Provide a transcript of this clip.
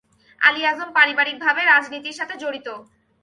আলী আজম পারিবারিক ভাবে রাজনীতির সাথে জড়িত।